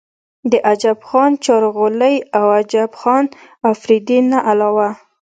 د عجب خان چارغولۍ او عجب خان افريدي نه علاوه